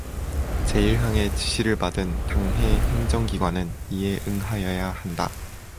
제일항의 지시를 받은 당해 행정기관은 이에 응하여야 한다.